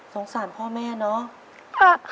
สารพ่อแม่เนาะ